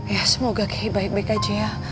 ya semoga kiai baik baik aja ya